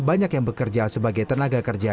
banyak yang bekerja sebagai tenaga kerja